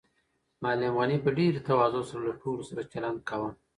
معلم غني په ډېرې تواضع سره له ټولو سره چلند کاوه.